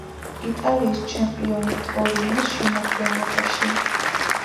იტალიის ჩემპიონი „ტორინოს“ შემადგენლობაში.